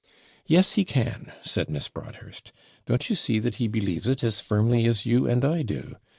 'Yes, he can,' said Miss Broadhurst. 'Don't you see that he believes it as firmly as you and I do?